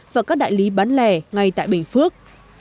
và các đại lý bán lẻ ngay tại bình phước